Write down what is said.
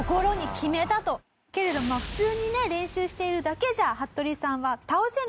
けれど普通に練習しているだけじゃ服部さんは倒せない。